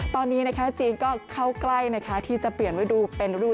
ตอนนี้จีนก็เข้าใกล้ที่จะเปลี่ยนฤดูเป็นรู